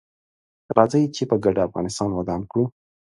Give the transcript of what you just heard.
راځي چې په ګډه افغانستان ودان کړو